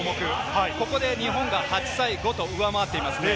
ここで日本が８対５と上回っています。